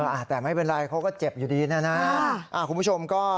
อ่าแต่ไม่เป็นไรเขาก็เจ็บอยู่ดีนะนะคุณผู้ชมก็